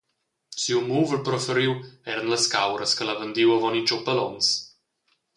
Siu muvel preferiu eran las cauras ch’el ha vendiu avon in tschuppel onns.